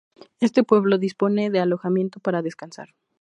Este pueblo dispone de alojamiento para descansar.